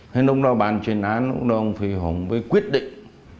thế lúc đó bàn chuyên án lúc đó ông phi hùng quyết định